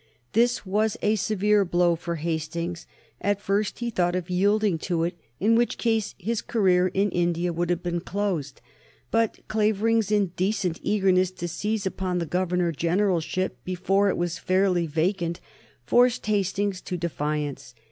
This was a severe blow for Hastings. At first he thought of yielding to it, in which case his career in India would have been closed. But Clavering's indecent eagerness to seize upon the Governor Generalship before it was fairly vacant forced Hastings to defiance.